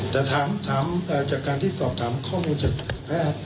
แต่ถามจากการที่สอบถามข้อมูลจากแพทย์